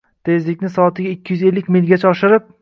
Tezlikni soatiga ikki yuz ellik milgacha oshirib